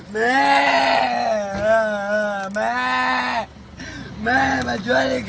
แม่แม่แม่มาช่วยดีกันนะแม่แม่มาช่วยดีเลย